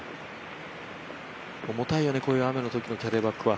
重たいよね、こういうときのキャディーバッグは。